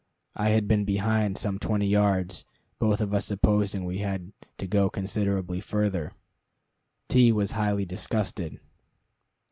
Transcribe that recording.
I had been behind some twenty yards, both of us supposing we had to go considerably further. T was highly disgusted.